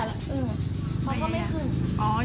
เขาก็ไม่ขึ้น